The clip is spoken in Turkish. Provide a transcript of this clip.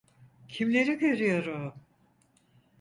Kimleri görüyorum?